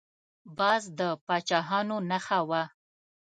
باز د پاچاهانو نښه وه